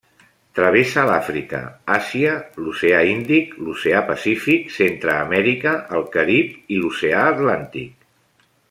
Travessa l'Àfrica, Àsia, l'oceà Índic, l'oceà Pacífic, Centreamèrica, el Carib i l'oceà Atlàntic.